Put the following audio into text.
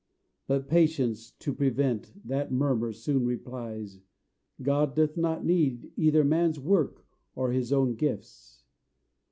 But Patience, to prevent That murmur, soon replies, "God doth not need Either man's work, or His own gifts.